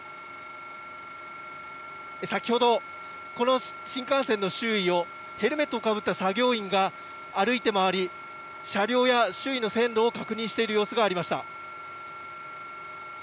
先ほどこの新幹線の周囲をヘルメット被った作業員が歩いて回り、車両や周囲の線路を確認している様子がありました。